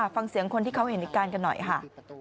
ฟังเสียงคนที่เขาเห็นอีกกันกันหน่อยค่ะ